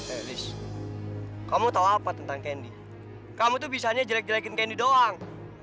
eh liz kamu tahu apa tentang gendy kamu tuh bisanya jelek jelekin gendy doang